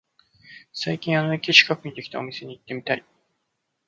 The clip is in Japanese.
最近あの駅近くにできたお店に行ってみたい